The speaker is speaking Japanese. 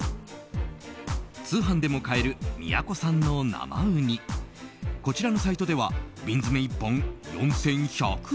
通販でも買える宮子産の生ウニこちらのサイトでは瓶詰め１本４１００円。